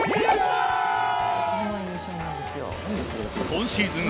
今シーズン